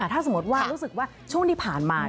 ถ้าสมมติว่ารู้สึกว่าช่วงที่ผ่านมา